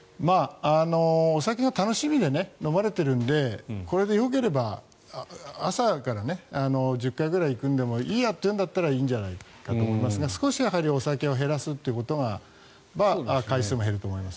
お酒が楽しみで飲まれてるのでこれでよければ朝から１０回ぐらい行くのでもいいやというんだったらいいと思いますが少しお酒を減らせば回数も減ると思います。